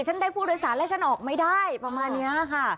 ฉันได้ผู้โดยสารแล้วฉันออกไม่ได้ประมาณนี้ค่ะ